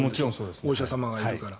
お医者様がいるから。